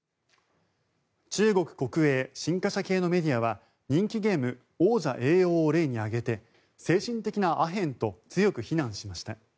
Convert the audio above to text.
中国国営・新華社系のメディアは人気ゲーム「王者栄耀」を例に挙げて精神的なアヘンと強く非難しました。